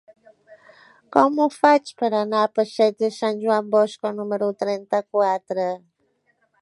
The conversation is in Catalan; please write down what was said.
Com ho faig per anar al passeig de Sant Joan Bosco número trenta-quatre?